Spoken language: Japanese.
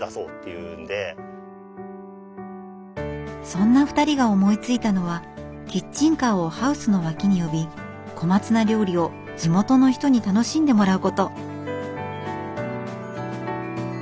そんな２人が思いついたのはキッチンカーをハウスの脇に呼び小松菜料理を地元の人に楽しんでもらうこと。